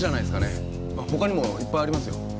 他にもいっぱいありますよ。